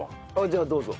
じゃあどうぞ。